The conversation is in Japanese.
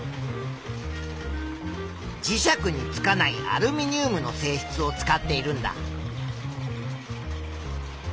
磁石につかないアルミニウムの性質を使っているんだ。